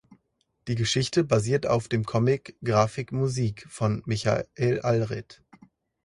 Die Geschichte basiert auf dem Comic "Grafik Muzik" von Michael Allred.